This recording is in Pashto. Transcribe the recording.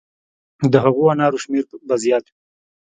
د هغو نارو شمېر به زیات وي.